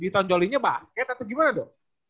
di tonjolinya basket atau gimana do